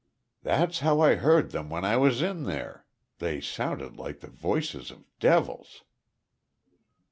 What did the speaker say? "That's how I heard them when I was in there. They sounded like the voices of devils."